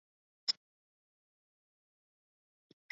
全蒙古劳动党是蒙古国的一个政党。